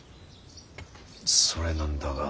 それなんだが。